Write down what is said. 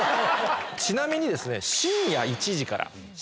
ちなみにですね。